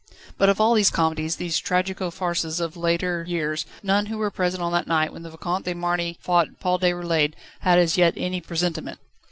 But of all these comedies, these tragico farces of later years, none who were present on that night, when the Vicomte de Marny fought Paul Déroulède, had as yet any presentiment.